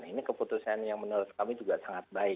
ini keputusan yang menurut kami juga sangat baik